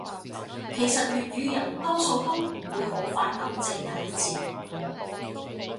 其實粵語人多數都唔會好反感正體字